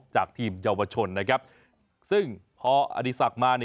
จากทีมเยาวชนนะครับซึ่งพออธิสักรมา